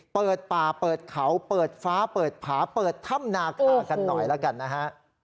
เปิดป่าเปิดเขาเปิดฟ้าเปิดผาเปิดถ้ำนาคากันหน่อยแล้วกันนะฮะ